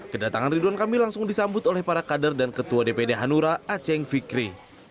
kedatangan ridwan kamil langsung disambut oleh para kader dan ketua dpd hanura aceh fikri